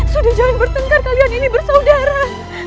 sudah jangan bertengkar kalian ini bersaudara